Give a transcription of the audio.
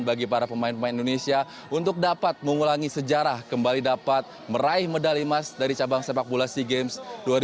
dan bagi para pemain pemain indonesia untuk dapat mengulangi sejarah kembali dapat meraih medali emas dari cabang sepak bola sea games dua ribu sembilan belas